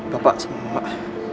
bapak sembuh mak